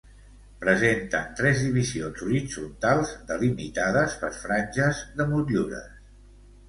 Presenten tres divisions horitzontals delimitades per franges de motllures.